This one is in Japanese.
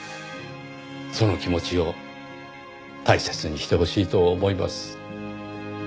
その気持ちを大切にしてほしいと思います。